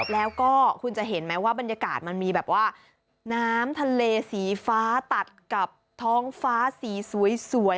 แล้วก็คุณจะเห็นไหมว่าบรรยากาศมันมีแบบว่าน้ำทะเลสีฟ้าตัดกับท้องฟ้าสีสวย